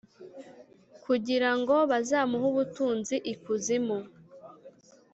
Kugirango bazamuhe ubutunzi ikuzimu